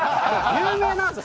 有名なんですよ